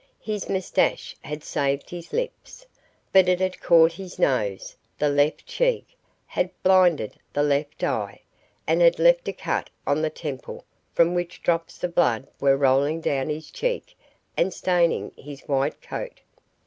His moustache had saved his lips, but it had caught his nose, the left cheek, had blinded the left eye, and had left a cut on the temple from which drops of blood were rolling down his cheek and staining his white coat.